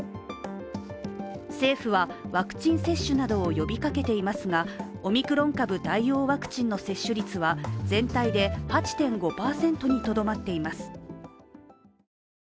政府は、ワクチン接種などを呼びかけていますがオミクロン株対応ワクチンの接種率は全体で８．５％にとどまっています。